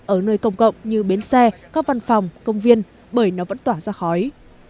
ở nơi công cộng như bến xe các văn phòng công viên bởi nó vẫn tỏa ra khói